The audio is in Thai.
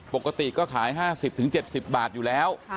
ปกติก็ขาย๕๐๗๐บาทอยู่แล้ว